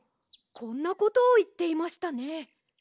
こんなことをいっていましたね。